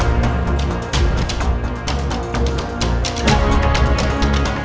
saya mau tinggal di pacar saya pak